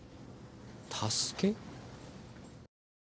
助け？